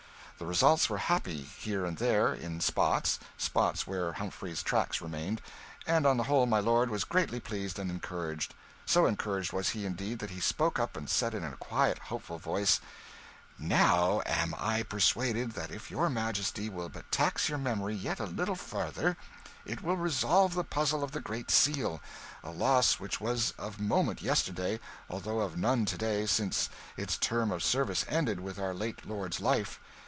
The results were happy, here and there, in spots spots where Humphrey's tracks remained and on the whole my lord was greatly pleased and encouraged. So encouraged was he, indeed, that he spoke up and said in a quite hopeful voice "Now am I persuaded that if your Majesty will but tax your memory yet a little further, it will resolve the puzzle of the Great Seal a loss which was of moment yesterday, although of none to day, since its term of service ended with our late lord's life.